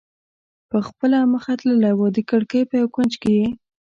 په خپله مخه تللی و، د کړکۍ په یو کونج کې یې.